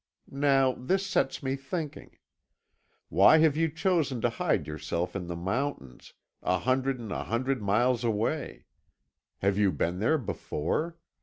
Now, this sets me thinking. Why have you chosen to hide yourself in the mountains, a hundred and a hundred miles away? Have you been there before?